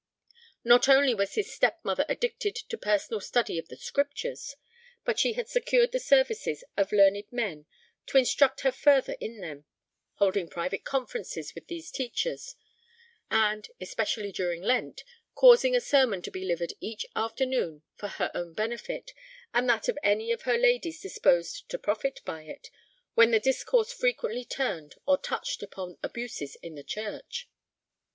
Not only was his step mother addicted to personal study of the Scriptures, but she had secured the services of learned men to instruct her further in them; holding private conferences with these teachers; and, especially during Lent, causing a sermon to be delivered each afternoon for her own benefit and that of any of her ladies disposed to profit by it, when the discourse frequently turned or touched upon abuses in the Church.